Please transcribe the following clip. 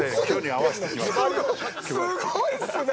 すごいっすね。